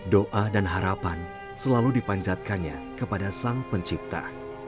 doa dan harapan selalu dipanjatkannya kepada sang pencipta